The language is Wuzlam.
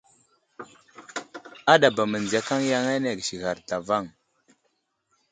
Aɗaba mənziyakaŋ yaŋ agisighar zlavaŋ.